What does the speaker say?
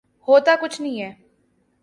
ہوتا کچھ نہیں ہے۔